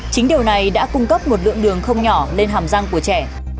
chính điều này đã cung cấp một lượng đường không nhỏ lên hàm răng của trẻ